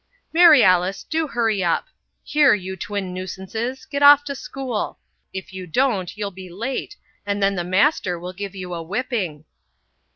"Mary Alice, do hurry up. Here, you twin nuisances, get off to school. If you don't you'll be late and then the master will give you a whipping."